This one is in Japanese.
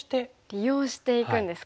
利用していくんですか。